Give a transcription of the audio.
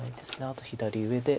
あと左上で。